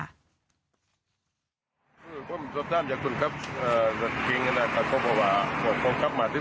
พันธุ์จักรยานเลี้ยวกับรถเลยมีวิวในระยะกระชั้นชิด